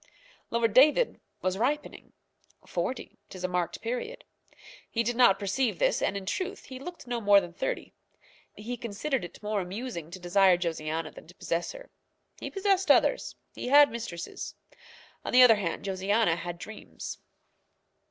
Lord David was ripening. Forty; 'tis a marked period. He did not perceive this, and in truth he looked no more than thirty. He considered it more amusing to desire Josiana than to possess her. He possessed others. He had mistresses. On the other hand, Josiana had dreams.